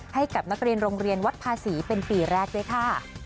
ให้กับนักเรียนโรงเรียนวัดภาษีเป็นปีแรกด้วยค่ะ